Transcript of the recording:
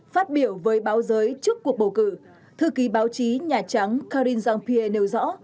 phát biểu với báo giới trước cuộc bầu cử thư ký báo chí nhà trắng karine jean pierre nêu rõ